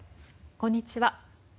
こんにちは。